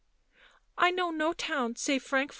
I know no town save Frankfort."